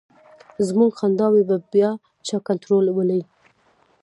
زمونږ خنداوې به بیا چا کنټرولولې.